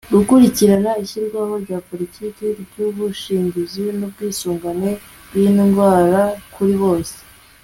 gukurikirana ishyirwaho rya politiki y'ubwishingizi n'ubwisungane bw'indwara kuri bose